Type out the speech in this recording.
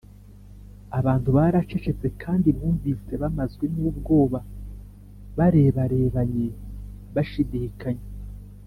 abantu baracecetse kandi bumvise bamazwe n’ubwoba barebarebanye bashidikanya